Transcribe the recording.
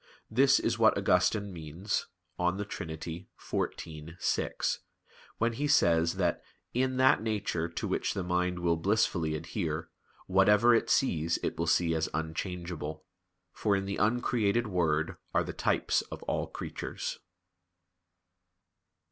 This is what Augustine means (De Trin. xiv, 6), when he says that "in that nature to which the mind will blissfully adhere, whatever it sees it will see as unchangeable"; for in the Uncreated Word are the types of all creatures.